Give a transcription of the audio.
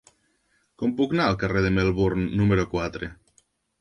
Com puc anar al carrer de Melbourne número quatre?